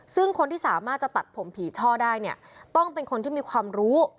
ซึ่งคนที่สามารถจะตัดผมผีช่อได้เนี่ยต้องเป็นคนที่มีความรู้